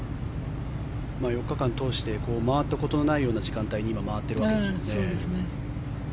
４日間通して回ったことのないような時間帯に今、回ってるわけですよね。